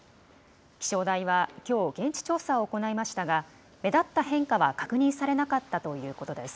気象台はきょう、現地調査を行いましたが、目立った変化は確認されなかったということです。